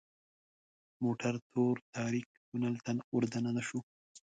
موټر تور تاریک تونل ته وردننه شو .